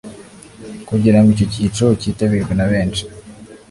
kugirango icyo cyiciro kitabirwe na benshi.